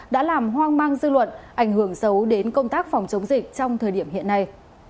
đã làm hoang mang dư luận ảnh hưởng xấu đến công tác phòng chống dịch trong thời điểm hiện nay